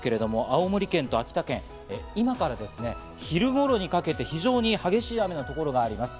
青森県と秋田県、今から昼頃にかけて非常に激しい雨の所があります。